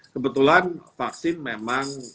kebetulan vaksin memang